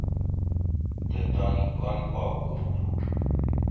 تے تانی کُن پا کُروٹو